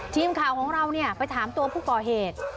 ทีมข่าวของเราไปถามตัวผู้ก่อเหตุ